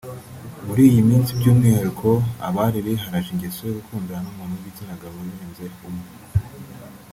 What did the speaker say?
Muri iyi minsi by’umwihariko abari biharaje ingeso yo gukundana n’umuntu w’igitsinagabo urenze umwe